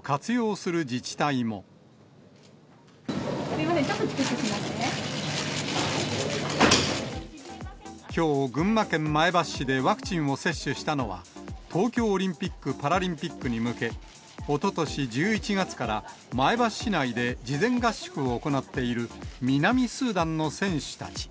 すみません、ちょっとちくっきょう、群馬県前橋市でワクチンを接種したのは、東京オリンピック・パラリンピックに向け、おととし１１月から前橋市内で事前合宿を行っている南スーダンの選手たち。